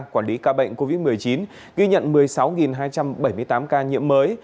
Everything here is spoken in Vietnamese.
quản lý ca bệnh covid một mươi chín ghi nhận một mươi sáu hai trăm bảy mươi tám ca nhiễm mới